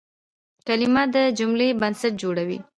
کلیمه د جملې بنسټ جوړوي.